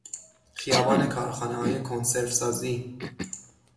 خیابان کارخانههای کنسرو سازی